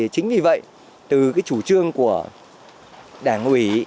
chính vì vậy từ chủ trương của đảng ủy